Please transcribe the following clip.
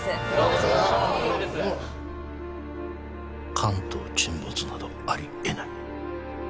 関東沈没などありえない